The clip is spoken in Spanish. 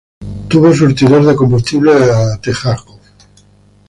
Tuvo surtidor de combustible de la Texaco.